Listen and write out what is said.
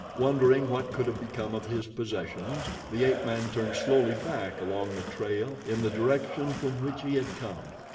Wondering what could have become of his possessions, the ape man turned slowly back along the trail in the direction from which he had come.